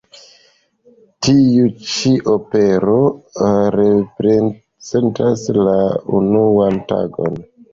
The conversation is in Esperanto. Tiu-ĉi opero reprezentas la "unuan tagon".